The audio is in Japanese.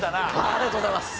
ありがとうございます。